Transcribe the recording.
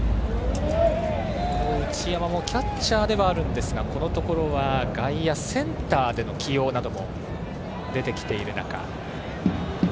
内山もキャッチャーではあるんですがこのところは外野、センターでの起用なども出てきている中